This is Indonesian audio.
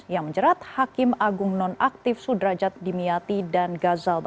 yang menjerat hakim agung nonaktif sudrajat dimiati dan gazul